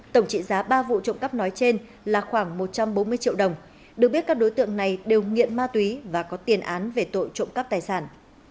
tổng trị giá ba vụ trộm cắp nói trên là khoảng một trăm bốn mươi triệu đồng được biết các đối tượng này đều nghiện ma túy và có tiền án về tội trộm cắp tài sản